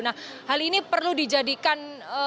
nah hal ini perlu dijadikan